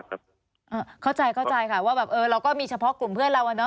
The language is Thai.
เข้าใจค่ะว่าเราก็มีเฉพาะกลุ่มเพื่อนเรานะ